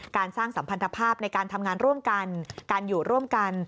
การสร้างสัมพันธภาพในการทำงานร่วมกันการอยู่ร่วมกัน